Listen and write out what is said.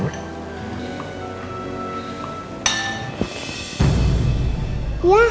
ya ampun tumpah